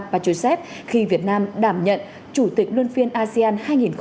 pachusev khi việt nam đảm nhận chủ tịch luân phiên asean hai nghìn hai mươi